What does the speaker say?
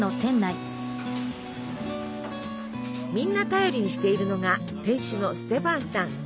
みんな頼りにしているのが店主のステファンさん。